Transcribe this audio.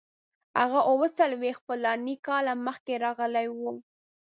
هغه اوه څلوېښت فلاني کاله مخکې راغلی وو.